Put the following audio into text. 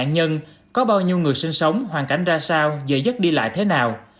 nhân có bao nhiêu người sinh sống hoàn cảnh ra sao giờ dứt đi lại thế nào